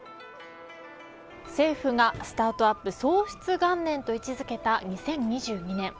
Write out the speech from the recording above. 政府が、スタートアップ創出元年と位置付けた２０２２年。